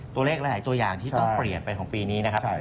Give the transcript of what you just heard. ตัวเลขหลายตัวอย่างที่ต้องเปลี่ยนไปของปีนี้นะครับ